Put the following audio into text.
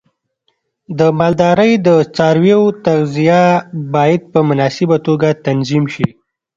د مالدارۍ د څارویو تغذیه باید په مناسبه توګه تنظیم شي.